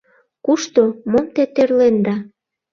«Кушто, мом те тӧрленда?